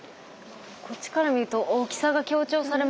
こっちから見ると大きさが強調されますね。